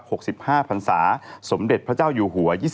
หกสิบห้าพันศาสมเด็จพระเจ้าอยู่หัว